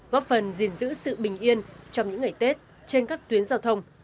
góp phần gìn giữ sự bình yên trong những ngày tết trên các tuyến giao thông